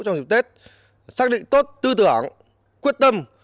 trong dịp tết xác định tốt tư tưởng quyết tâm